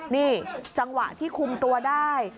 นี่จังหวะที่คุมตัวได้